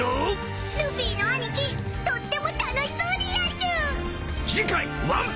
ルフィの兄貴とっても楽しそうでやんす！